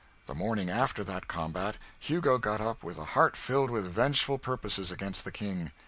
The morning after that combat, Hugo got up with a heart filled with vengeful purposes against the King.